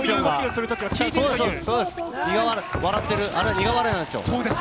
笑ってる、あれは苦笑いなんですよ